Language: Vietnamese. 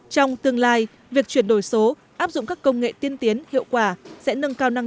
trong tương lai việc chuyển đổi số áp dụng các công nghệ tiên tiến hiệu quả sẽ nâng cao năng